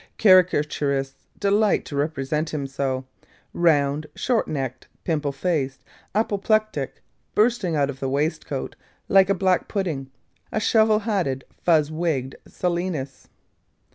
Caricaturists delight to represent him so: round, short necked, pimple faced, apoplectic, bursting out of waistcoat, like a black pudding, a shovel hatted fuzz wigged Silenus.